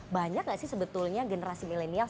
banyak gak sih sebetulnya generasi milenial